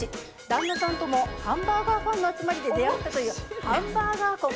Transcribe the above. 旦那さんともハンバーガーファンの集まりで出会ったというハンバーガー婚。